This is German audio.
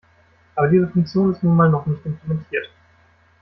Aber diese Funktion ist nun mal noch nicht implementiert.